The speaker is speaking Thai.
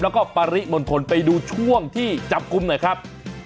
แล้วก็ปริมณฑลไปดูช่วงที่จับกลุ่มหน่อยครับ